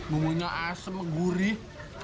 bumbunya asem gurih